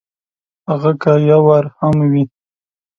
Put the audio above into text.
هغه که یو وار هم وي !